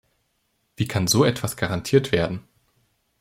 Wie kann so etwas garantiert werden?